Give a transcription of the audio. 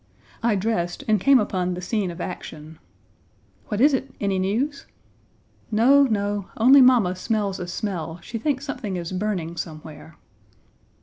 I dressed and came upon the scene of action. "What is it? Any news?" "No, no, only mamma smells a smell; she thinks something is burning somewhere."